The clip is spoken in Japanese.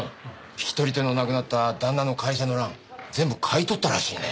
引き取り手のなくなった旦那の会社の蘭全部買い取ったらしいね。